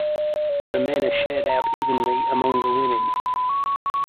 The men are shared out evenly among the women.